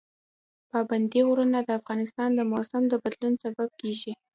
پابندی غرونه د افغانستان د موسم د بدلون سبب کېږي.